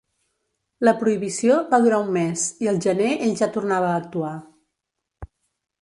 La prohibició va durar un mes i el gener ell ja tornava a actuar.